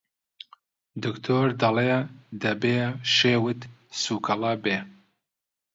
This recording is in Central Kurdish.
دکتۆر دەڵێ دەبێ شێوت سووکەڵە بێ!